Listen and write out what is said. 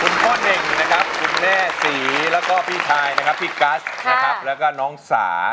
คุณพ่อเน่งนะครับคุณแม่ศรีแล้วก็พี่ชายนะครับพี่กัสนะครับแล้วก็น้องสา